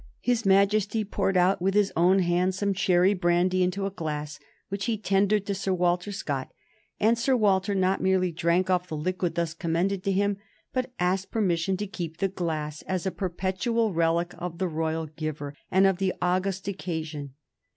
His Majesty poured out with his own hand some cherry brandy into a glass, which he tendered to Sir Walter Scott, and Sir Walter not merely drank off the liquid thus commended to him, but asked permission to keep the glass as a perpetual relic of the royal giver and of the august occasion.